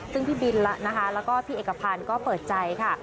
ซึ่งพี่บินแล้วนะคะแล้วก็พี่เอกพันธ์ก็เปิดใจค่ะ